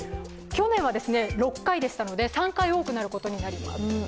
去年は６回でしたので、３回多くなることになります。